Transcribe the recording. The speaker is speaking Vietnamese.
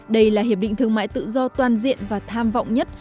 đây là hiệp định thương mại tự do toàn diện và tham vọng nhất